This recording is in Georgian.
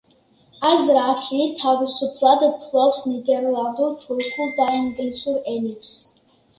აზრა აქინი თავისუფლად ფლობს ნიდერლანდურ, თურქულ და ინგლისურ ენებს.